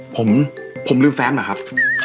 ผมผมลืมแฟมล่ะครับอ๋อ